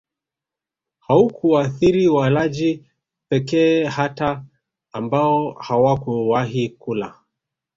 haukuathiri walaji pekee hata ambao hawakuwahi kula